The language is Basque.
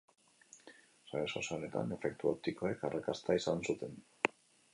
Sare sozialetan efektu optikoek arrakasta izan zuten.